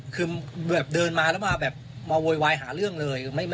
คือเดินมาแล้วมาโวยวายหาเรื่องเลย